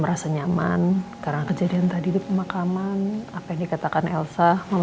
merasa nyaman karena kejadian tadi di pemakaman apa yang dikatakan elsa